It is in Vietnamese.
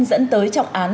dẫn tới trọng án